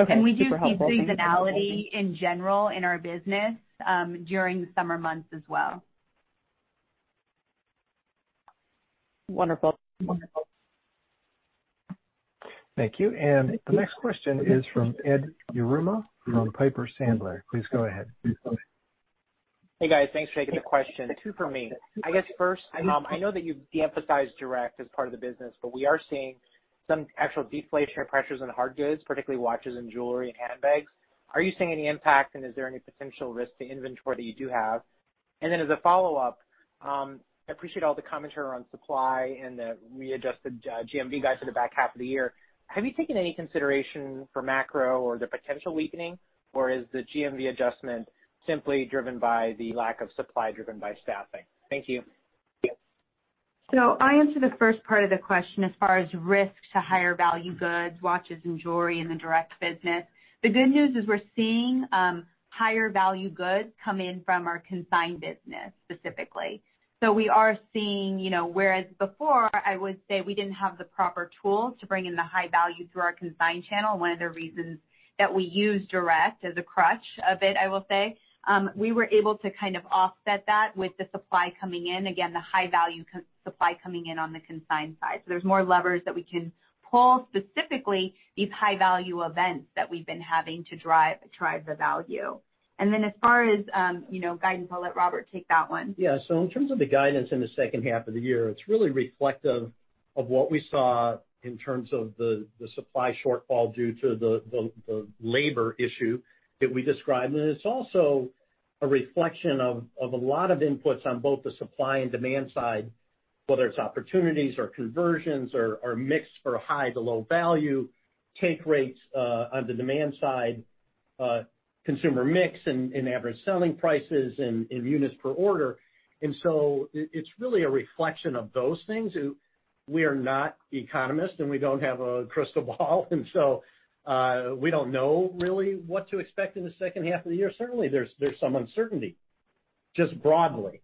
Okay. Super helpful. We do seasonality in general in our business, during the summer months as well. Wonderful. Thank you. The next question is from Ed Yruma from Piper Sandler. Please go ahead. Hey, guys. Thanks for taking the question. Two from me. I guess first, I know that you've de-emphasized direct as part of the business, but we are seeing some actual deflationary pressures on hard goods, particularly watches and jewelry and handbags. Are you seeing any impact, and is there any potential risk to inventory that you do have? As a follow-up, I appreciate all the commentary around supply and the readjusted, GMV guide for the back half of the year. Have you taken any consideration for macro or the potential weakening, or is the GMV adjustment simply driven by the lack of supply driven by staffing? Thank you. I answer the first part of the question as far as risk to higher value goods, watches and jewelry in the direct business. The good news is we're seeing higher value goods come in from our consigned business specifically. We are seeing, you know, whereas before I would say we didn't have the proper tools to bring in the high value through our consigned channel, one of the reasons that we use direct as a crutch a bit, I will say, we were able to kind of offset that with the supply coming in, again, the high value consign supply coming in on the consigned side. There's more levers that we can pull, specifically these high value events that we've been having to drive the value. Then as far as, you know, guidance, I'll let Robert take that one. Yeah. In terms of the guidance in the second half of the year, it's really reflective of what we saw in terms of the supply shortfall due to the labor issue that we described. It's also a reflection of a lot of inputs on both the supply and demand side, whether it's opportunities or conversions or mix for high to low value, take rates, on the demand side, consumer mix and average selling prices and units per order. It's really a reflection of those things. We are not economists, and we don't have a crystal ball and so, we don't know really what to expect in the second half of the year. Certainly, there's some uncertainty, just broadly.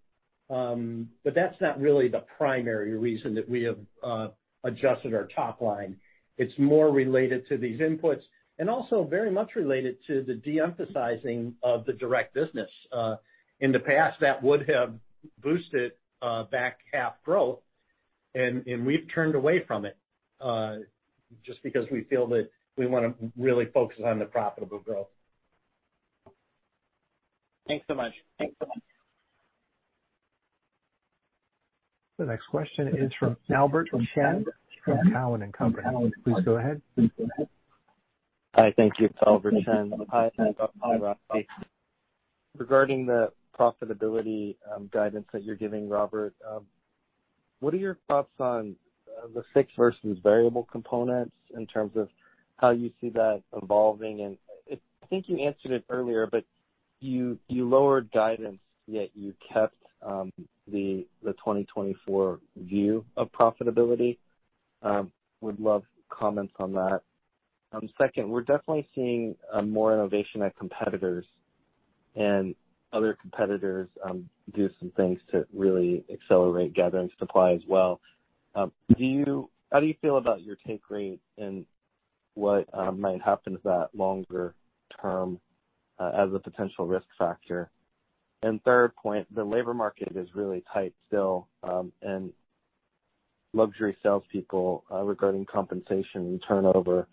That's not really the primary reason that we have adjusted our top line. It's more related to these inputs and also very much related to the de-emphasizing of the direct business. In the past, that would have boosted back half growth and we've turned away from it, just because we feel that we wanna really focus on the profitable growth. Thanks so much. The next question is from Oliver Chen from Cowen and Company. Please go ahead. Hi. Thank you. It's Oliver Chen. Hi, Robert. Hi, Rati Levesque. Regarding the profitability guidance that you're giving, Robert, what are your thoughts on the fixed versus variable components in terms of how you see that evolving? I think you answered it earlier, but you lowered guidance, yet you kept the 2024 view of profitability. Would love comments on that. Second, we're definitely seeing more innovation at competitors and other competitors do some things to really accelerate gathering supply as well. How do you feel about your take rate and what might happen to that longer term as a potential risk factor? Third point, the labor market is really tight still and luxury salespeople regarding compensation and turnover.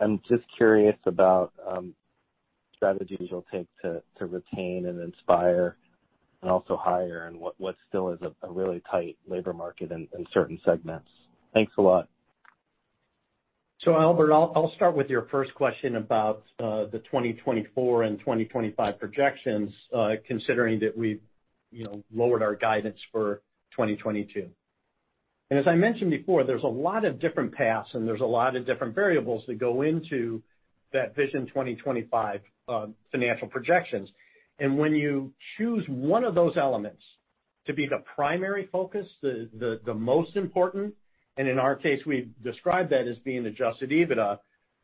I'm just curious about strategies you'll take to retain and inspire and also hire in what still is a really tight labor market in certain segments. Thanks a lot. Oliver, I'll start with your first question about the 2024 and 2025 projections, considering that we've, you know, lowered our guidance for 2022. As I mentioned before, there's a lot of different paths, and there's a lot of different variables that go into that Vision 2025 financial projections. When you choose one of those elements to be the primary focus, the most important, and in our case, we've described that as being adjusted EBITDA,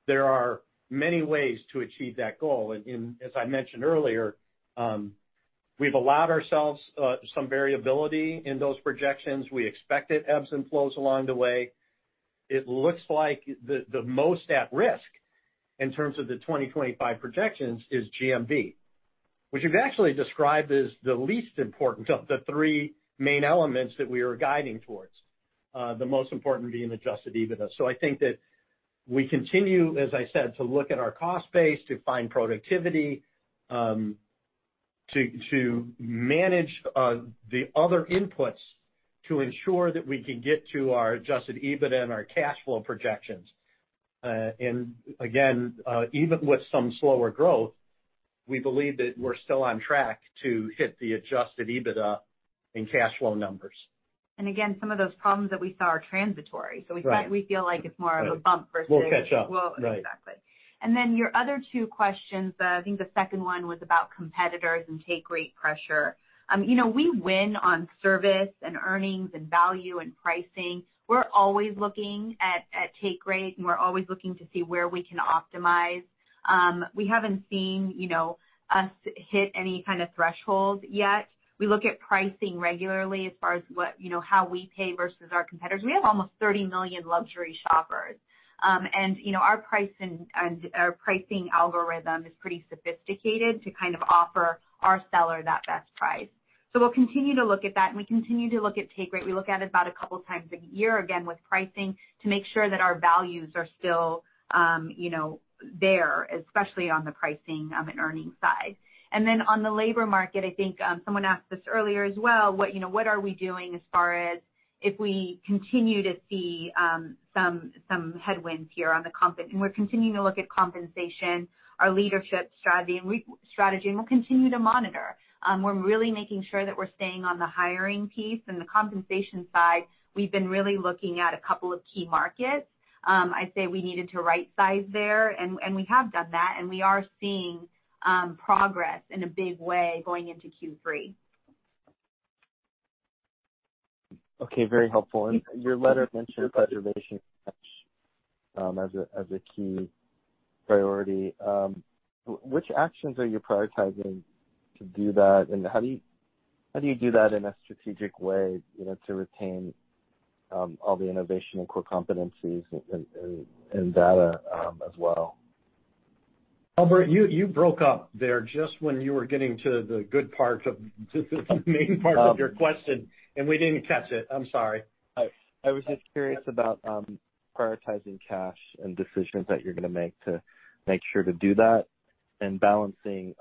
there are many ways to achieve that goal. As I mentioned earlier, we've allowed ourselves some variability in those projections. We expected ebbs and flows along the way. It looks like the most at risk in terms of the 2025 projections is GMV, which you've actually described as the least important of the three main elements that we are guiding towards, the most important being adjusted EBITDA. I think that we continue, as I said, to look at our cost base, to find productivity, to manage the other inputs to ensure that we can get to our adjusted EBITDA and our cash flow projections. Even with some slower growth, we believe that we're still on track to hit the adjusted EBITDA and cash flow numbers. Again, some of those problems that we saw are transitory. Right. We feel like it's more of a bump versus- We'll catch up. Your other two questions, I think the second one was about competitors and take rate pressure. You know, we win on service and earnings and value and pricing. We're always looking at take rate, and we're always looking to see where we can optimize. We haven't seen, you know, us hit any kind of threshold yet. We look at pricing regularly as far as what, you know, how we pay versus our competitors. We have almost 30 million luxury shoppers. You know, our price and our pricing algorithm is pretty sophisticated to kind of offer our seller that best price. We'll continue to look at that, and we continue to look at take rate. We look at it about a couple times a year, again, with pricing to make sure that our values are still, you know, there, especially on the pricing and earnings side. On the labor market, I think, someone asked this earlier as well, what, you know, what are we doing as far as if we continue to see some headwinds here on the compensation, and we're continuing to look at compensation, our leadership strategy, and we'll continue to monitor. We're really making sure that we're staying on the hiring piece and the compensation side. We've been really looking at a couple of key markets. I'd say we needed to right size there, and we have done that, and we are seeing progress in a big way going into Q3. Okay, very helpful. Your letter mentioned preserving cash as a key priority. Which actions are you prioritizing to do that, and how do you do that in a strategic way, you know, to retain all the innovation and core competencies and data as well? Oliver Chen, you broke up there just when you were getting to the good part of the main part of your question, and we didn't catch it. I'm sorry. I was just curious about prioritizing cash and decisions that you're gonna make to make sure to do that and balancing,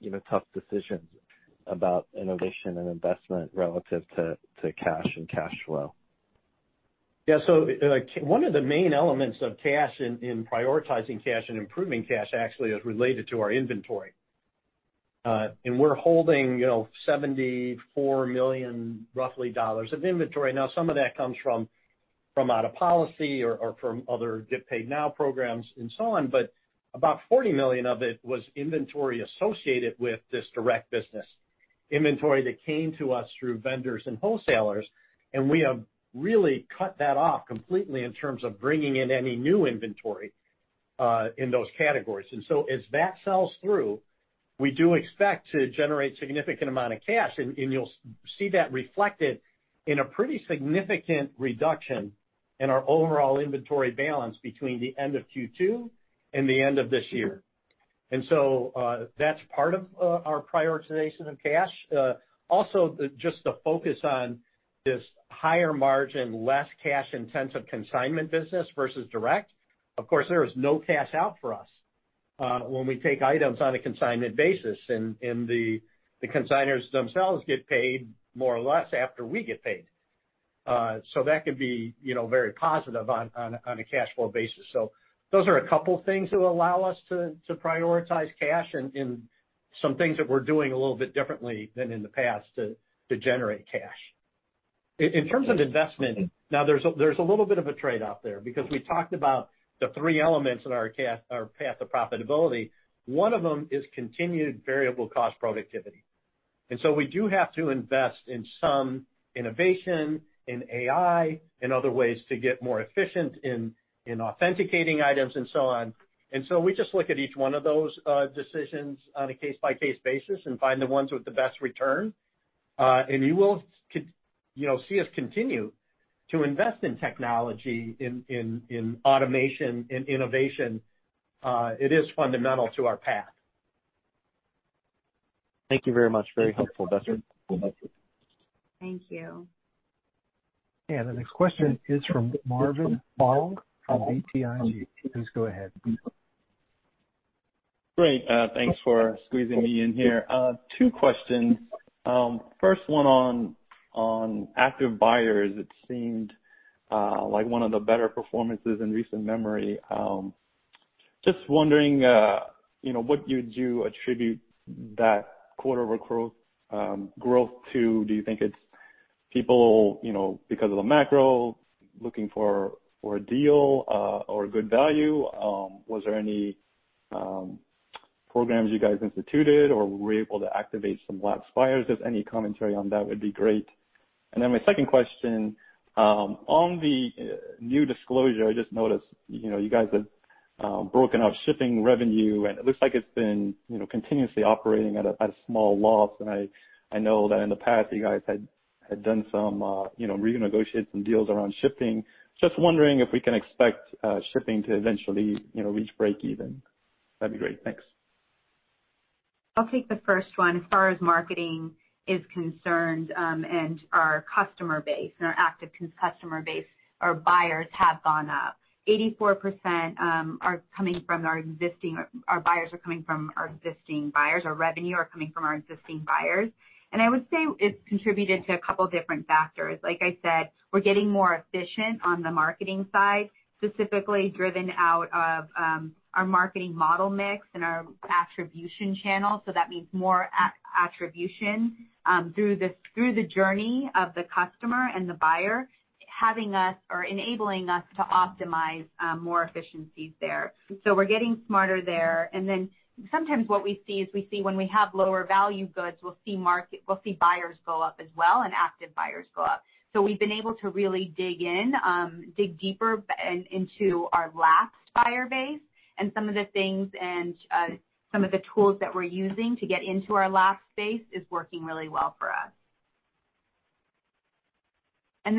you know, tough decisions about innovation and investment relative to cash and cash flow. Yeah. One of the main elements of cash, in prioritizing cash and improving cash actually is related to our inventory. We're holding, you know, $74 million, roughly, of inventory. Now some of that comes from out of policy or from other Get Paid Now programs and so on. But about $40 million of it was inventory associated with this direct business, inventory that came to us through vendors and wholesalers, and we have really cut that off completely in terms of bringing in any new inventory in those categories. As that sells through, we do expect to generate significant amount of cash, and you'll see that reflected in a pretty significant reduction in our overall inventory balance between the end of Q2 and the end of this year. That's part of our prioritization of cash. Also, just the focus on this higher margin, less cash-intensive consignment business versus direct. Of course, there is no cash out for us when we take items on a consignment basis, and the consignors themselves get paid more or less after we get paid. That can be, you know, very positive on a cash flow basis. Those are a couple things that allow us to prioritize cash and some things that we're doing a little bit differently than in the past to generate cash. In terms of investment, now there's a little bit of a trade-off there because we talked about the three elements in our path to profitability. One of them is continued variable cost productivity. We do have to invest in some innovation, in AI, and other ways to get more efficient in authenticating items and so on. We just look at each one of those decisions on a case-by-case basis and find the ones with the best return. You will, you know, see us continue to invest in technology, in automation and innovation. It is fundamental to our path. Thank you very much. Very helpful. That's it. Thank you. The next question is from Marvin Fong of BTIG. Please go ahead. Great. Thanks for squeezing me in here. Two questions. First one on active buyers, it seemed like one of the better performances in recent memory. Just wondering, you know, what would you attribute that quarter-over-quarter growth to? Do you think it's people, you know, because of the macro looking for a deal or good value? Was there any programs you guys instituted, or were you able to activate some lapsed buyers? Just any commentary on that would be great. My second question on the new disclosure, I just noticed, you know, you guys have broken out shipping revenue, and it looks like it's been, you know, continuously operating at a small loss. I know that in the past you guys had done some, you know, renegotiated some deals around shipping. Just wondering if we can expect shipping to eventually, you know, reach break even. That'd be great. Thanks. I'll take the first one. As far as marketing is concerned, and our customer base and our active customer base, our buyers have gone up. 84% are coming from our existing buyers. Our revenue are coming from our existing buyers. I would say it's contributed to a couple different factors. Like I said, we're getting more efficient on the marketing side, specifically driven out of our marketing model mix and our attribution channel, so that means more attribution through the journey of the customer and the buyer, having us or enabling us to optimize more efficiencies there. We're getting smarter there. Then sometimes when we have lower value goods, we'll see buyers go up as well, and active buyers go up. We've been able to really dig in, dig deeper into our lapsed buyer base and some of the things and some of the tools that we're using to get into our lapsed base is working really well for us.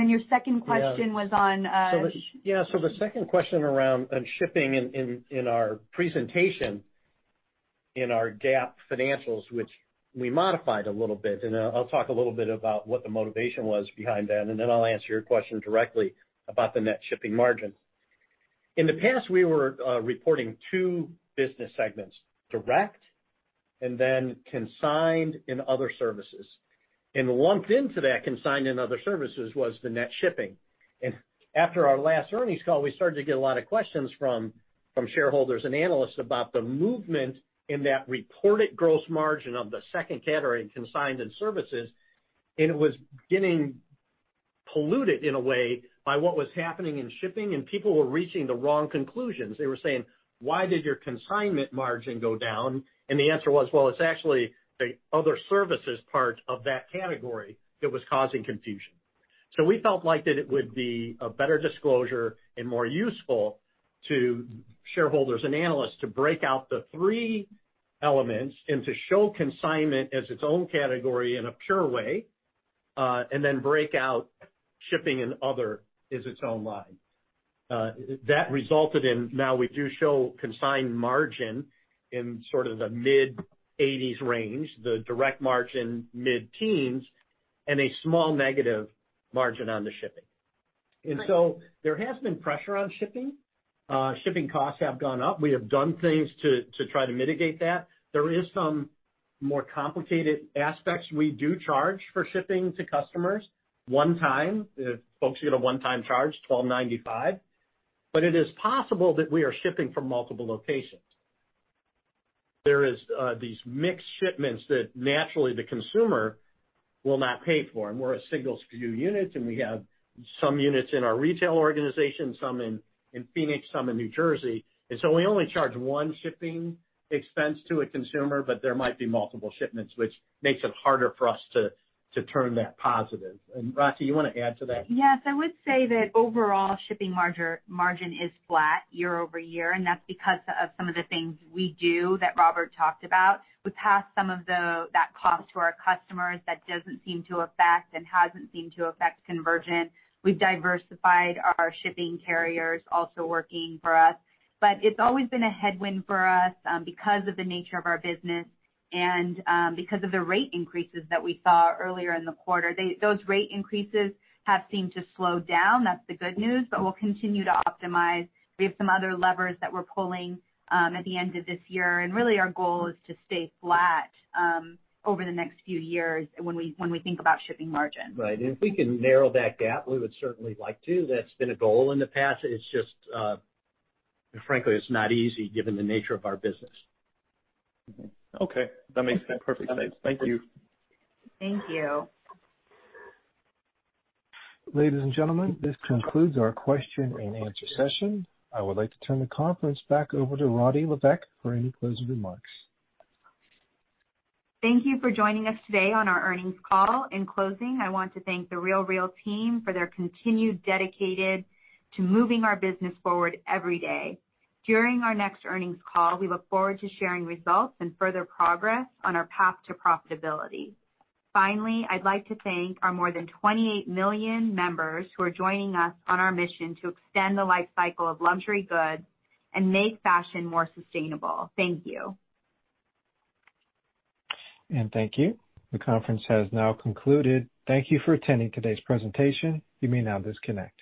Your second question- Yeah. Was on. The second question around shipping in our presentation, in our GAAP financials, which we modified a little bit, and I'll talk a little bit about what the motivation was behind that, and then I'll answer your question directly about the net shipping margin. In the past, we were reporting two business segments, direct and then consigned and other services. Lumped into that consigned and other services was the net shipping. After our last earnings call, we started to get a lot of questions from shareholders and analysts about the movement in that reported gross margin of the second category, consigned and services, and it was getting polluted in a way by what was happening in shipping, and people were reaching the wrong conclusions. They were saying, "Why did your consignment margin go down?" The answer was, well, it's actually the other services part of that category that was causing confusion. We felt like that it would be a better disclosure and more useful to shareholders and analysts to break out the three elements and to show consignment as its own category in a pure way, and then break out shipping and other as its own line. That resulted in now we do show consignment margin in sort of the mid-80s% range, the direct margin mid-teens%, and a small negative margin on the shipping. Right. There has been pressure on shipping. Shipping costs have gone up. We have done things to try to mitigate that. There is some more complicated aspects. We do charge for shipping to customers one time. Folks get a one-time charge, $12.95. But it is possible that we are shipping from multiple locations. There is these mixed shipments that naturally the consumer will not pay for, and we're a single SKU unit, and we have some units in our retail organization, some in Phoenix, some in New Jersey, and so we only charge one shipping expense to a consumer, but there might be multiple shipments, which makes it harder for us to turn that positive. Rati, you wanna add to that? Yes, I would say that overall shipping margin is flat year-over-year, and that's because of some of the things we do that Robert talked about. We pass some of that cost to our customers. That doesn't seem to affect and hasn't seemed to affect conversion. We've diversified our shipping carriers, also working for us. But it's always been a headwind for us, because of the nature of our business and because of the rate increases that we saw earlier in the quarter. Those rate increases have seemed to slow down. That's the good news, but we'll continue to optimize. We have some other levers that we're pulling at the end of this year, and really our goal is to stay flat over the next few years when we think about shipping margin. Right. If we can narrow that gap, we would certainly like to. That's been a goal in the past. It's just, frankly, it's not easy given the nature of our business. Okay. That makes perfect sense. Thank you. Thank you. Ladies and gentlemen, this concludes our question and answer session. I would like to turn the conference back over to Rati Levesque for any closing remarks. Thank you for joining us today on our earnings call. In closing, I want to thank The RealReal team for their continued dedication to moving our business forward every day. During our next earnings call, we look forward to sharing results and further progress on our path to profitability. Finally, I'd like to thank our more than 28 million members who are joining us on our mission to extend the lifecycle of luxury goods and make fashion more sustainable. Thank you. Thank you. The conference has now concluded. Thank you for attending today's presentation. You may now disconnect.